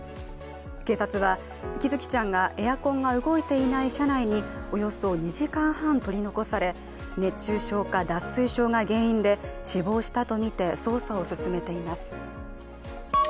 警察は喜寿生ちゃんがエアコンが動いていない車内におよそ２時間半取り残され熱中症か脱水症が原因で死亡したとみて捜査を進めています。